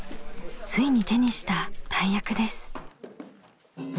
ついに手にした大役です。